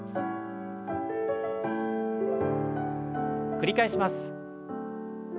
繰り返します。